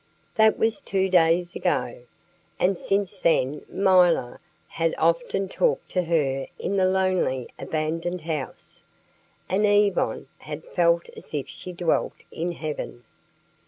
That was two days ago, and since then milor had often talked to her in the lonely, abandoned house, and Yvonne had felt as if she dwelt in Heaven.